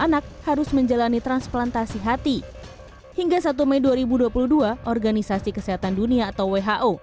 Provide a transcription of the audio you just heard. anak harus menjalani transplantasi hati hingga satu mei dua ribu dua puluh dua organisasi kesehatan dunia atau who